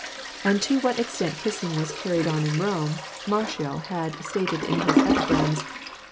And to what extent kissing was carried on in Rome, Martial has stated in his "Epigrams."